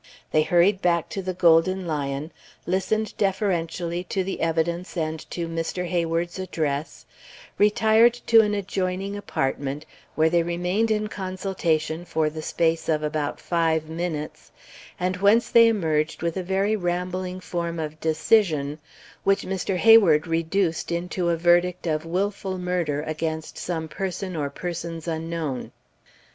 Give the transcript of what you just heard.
They hurried back to the Golden Lion, listened deferentially to the evidence and to Mr. Hayward's address, retired to an adjoining apartment, where they remained in consultation for the space of about five minutes, and whence they emerged with a very rambling form of decision, which Mr. Hayward reduced into a verdict of wilful murder against some person or persons unknown.